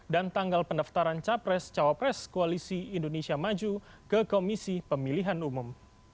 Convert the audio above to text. dan tanggal pendaftaran capres cawapres koalisi indonesia maju ke komisi pemilihan umum